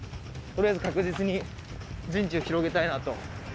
取りあえず確実に陣地を広げたいなと。